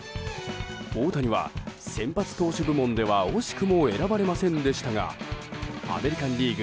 大谷は先発投手部門では惜しくも選ばれませんでしたがアメリカン・リーグ